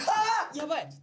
やばい！